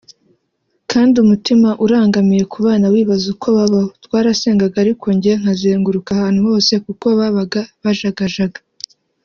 kandi umutima urangamiye ku bana wibaza uko babaho…Twarasengaga ariko njye nkazenguruka ahantu hose kuko babaga bajagajaga